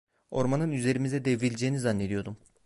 Ormanın üzerimize devrileceğini zannediyordum.